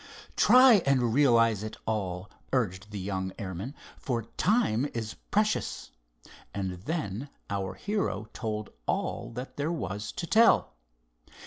"Try and realize it all," urged the young airman, "for time is precious." And then our hero told all that there was to tell.